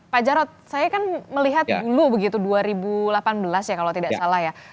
pak jarod saya kan melihat dulu begitu dua ribu delapan belas ya kalau tidak salah ya